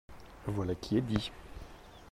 Voilà qui est dit.